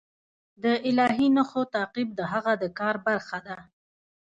د الهي نښو تعقیب د هغه د کار برخه ده.